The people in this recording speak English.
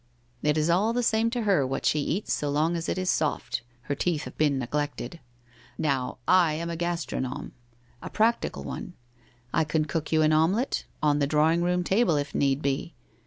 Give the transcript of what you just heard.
It is all the same to her what she eats so long as it is soft — her teeth have been neglected. Now, I am a gastronome — a practical one. I can cook you an omelette — on the drawing room table, if need be.